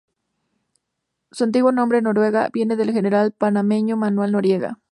Su antiguo nombre, Noriega, viene del general panameño Manuel Noriega.